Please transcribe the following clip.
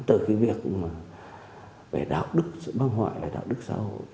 từ cái việc về đạo đức sự băng hoại là đạo đức xã hội